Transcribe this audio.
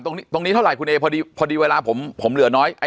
ตรงนี้เท่าไหร่คุณเอพอดีพอดีเวลาผมเหลือน้อย